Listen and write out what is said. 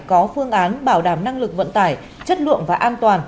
có phương án bảo đảm năng lực vận tải chất lượng và an toàn